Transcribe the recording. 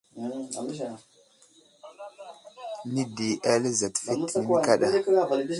Nədi eli azat fetene kaɗa.